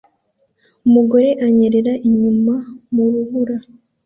Umugore anyerera inyuma mu rubura